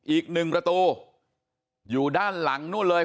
อีกหนึ่งประตูอยู่ด้านหลังนู่นเลย